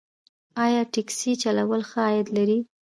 آیا ټکسي چلول ښه عاید لري؟